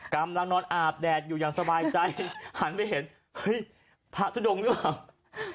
กำลังนอนอาบแดดอยู่อย่างสบายใจหันไปเห็นเฮ้ยพระทุดงหรือเปล่า